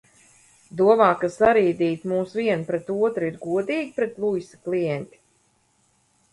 Domā, ka sarīdīt mūs vienu pret otru ir godīgi pret Luisa klienti?